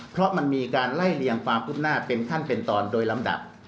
เพราะมันมีการไล่เลี่ยงความคืบหน้าเป็นขั้นเป็นตอนโดยลำดับ